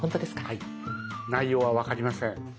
内容は分かりません。